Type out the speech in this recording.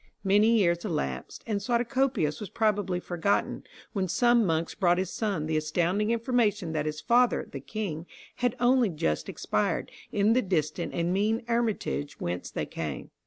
Many years elapsed, and Suatocopius was probably forgotten, when some monks brought his son the astounding information that his father, the king, had only just expired, in the distant and mean hermitage whence they came.